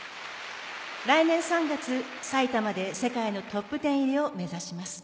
来年３月さいたまで世界のトップ１０入りを目指します。